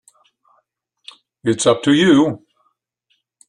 It's up to you.